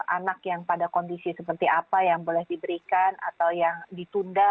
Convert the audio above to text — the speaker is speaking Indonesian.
anak yang pada kondisi seperti apa yang boleh diberikan atau yang ditunda